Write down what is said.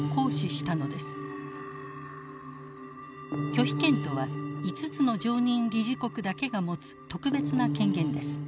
拒否権とは５つの常任理事国だけが持つ特別な権限です。